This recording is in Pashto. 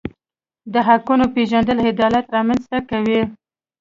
د حقونو پیژندل عدالت رامنځته کوي.